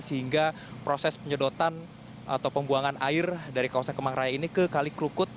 sehingga proses penyedotan atau pembuangan air dari kawasan kemang raya ini ke kalikrukut